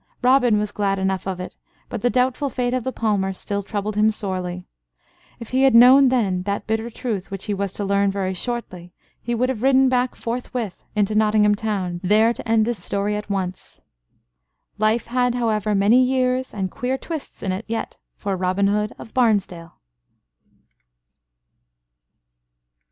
Robin was glad enough of it; but the doubtful fate of the palmer still troubled him sorely. If he had known then that bitter truth which he was to learn very shortly he would have ridden back forthwith into Nottingham town, there to end this story at once. Life had, however, many years and queer twists in it yet for Robin Hood of Barnesdale.